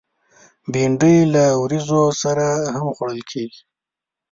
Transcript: بېنډۍ له وریژو سره هم خوړل کېږي